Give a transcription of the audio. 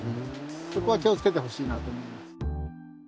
そこは気をつけてほしいなと思います。